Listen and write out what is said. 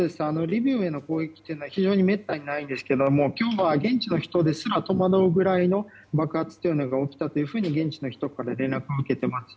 リブウへの攻撃というのはめったにないんですけども現地の人ですら戸惑うくらいの爆発というのが起きたと現地の人からは連絡を受けています。